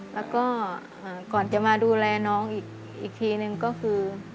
แล้วก็ก่อนจะมาดูแลน้องอีกทีนึงก็คือ